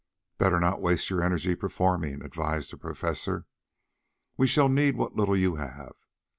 "Better not waste your energy performing," advised the Professor. "We shall need what little you have.